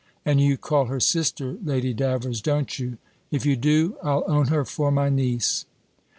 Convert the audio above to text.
And you call her sister, Lady Davers, don't you? If you do, I'll own her for my niece."